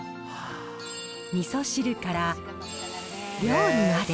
みそ汁から料理まで。